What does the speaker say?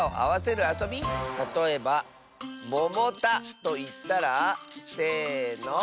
たとえば「ももた」といったらせの！